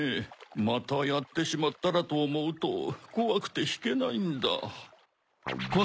またやってしまったらとおもうとこわくてひけないんだ。